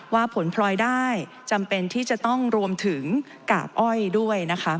ว่าผลพลอยได้จำเป็นที่จะต้องรวมถึงกากอ้อยด้วยนะคะ